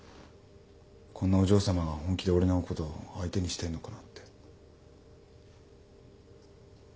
こんなお嬢さまが本気で俺のこと相手にしてんのかなって不安だよ。